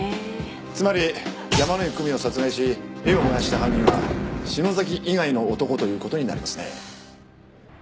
つまり山井久美を殺害し絵を燃やした犯人は篠崎以外の男という事になりますね。